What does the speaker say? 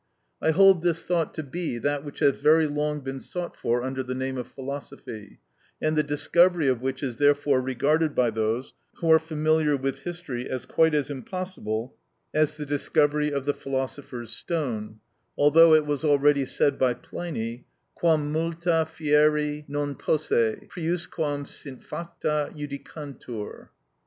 I hold this thought to be that which has very long been sought for under the name of philosophy, and the discovery of which is therefore regarded by those who are familiar with history as quite as impossible as the discovery of the philosopher's stone, although it was already said by Pliny: _Quam multa fieri non posse, priusquam sint facta, judicantur?